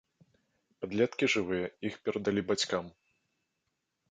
Падлеткі жывыя, іх перадалі бацькам.